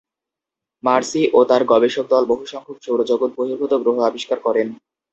Mercy ও তাঁর গবেষক দল বহুসংখ্যক সৌরজগৎ বহির্ভূত গ্রহ আবিষ্কার করেন।